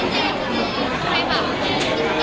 ที่เจนนี่ของกล้องนี้นะคะ